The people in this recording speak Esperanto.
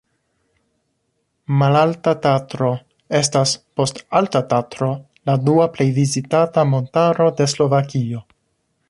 Malaltaj Tatroj estas post Altaj Tatroj la dua plej vizitata montaro de Slovakio.